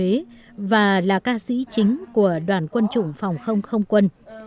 quê gốc cố đô huế và là ca sĩ chính của đoàn quân chủng phòng không không quân